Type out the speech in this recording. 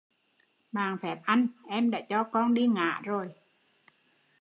Mạn phép anh, em đã cho con đi ngả rồi